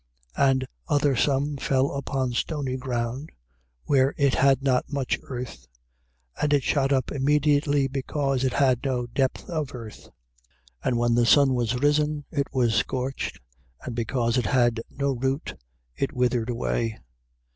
4:5. And other some fell upon stony ground, where it had not much earth; and it shot up immediately, because it had no depth of earth. 4:6. And when the sun was risen, it was scorched; and because it had no root, it withered away.